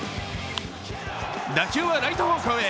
打球はライト方向へ。